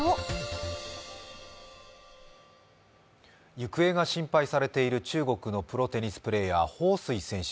行方が心配されている中国のプロテニスプレーヤー彭帥選手